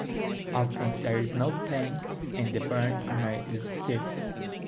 Often there is no pain and the burn area is stiff.